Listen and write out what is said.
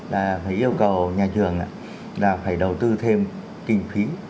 là phải yêu cầu nhà trường là phải đầu tư thêm kinh phí